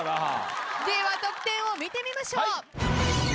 では得点を見てみましょう。